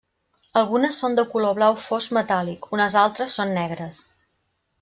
Algunes són de color blau fosc metàl·lic, unes altres són negres.